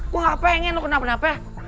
gua gak pengen lu kenapa napa